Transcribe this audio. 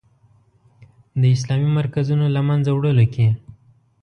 د اسلامي مرکزونو له منځه وړلو کې.